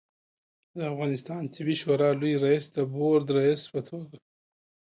د افغانستان طبي شورا لوي رئیس د بورد رئیس په توګه